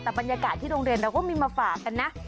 แต่บรรยากาศที่โรงเรียนเราก็มีมาฝากกันนะ